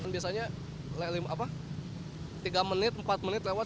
biasanya tiga menit empat menit lewat